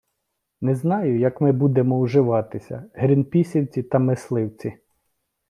Не знаю, як ми будемо уживатися: грінпісівці та мисливці....